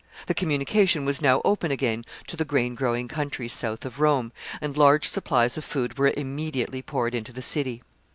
The communication was now open again to the grain growing countries south of Rome, and large supplies of food were immediately poured into the city.